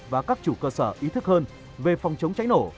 và các chủ cơ sở ý thức hơn về phòng chống cháy nổ